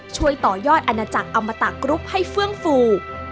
ช่วยต่อยอดอาณาจักรอมตะกรุ๊ปให้เฟื่องฟู